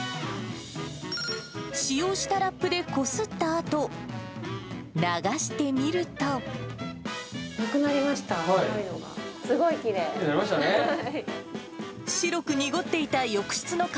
使用したラップでこすったあと、流してみると。なくなりました、白いのが。